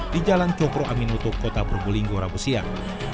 di jalan cokro aminuto kota purbulinggo rabu siang